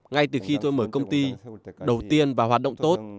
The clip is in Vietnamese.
ngay từ khi tôi mở công ty đầu tiên và hoạt động tốt